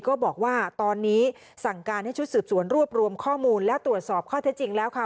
ก็บอกว่าตอนนี้สั่งการให้ชุดสืบสวนรวบรวมข้อมูลและตรวจสอบข้อเท็จจริงแล้วค่ะ